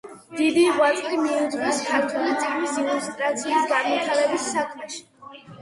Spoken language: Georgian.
დიდი ღვაწლი მიუძღვის ქართული წიგნის ილუსტრაციის განვითარების საქმეში.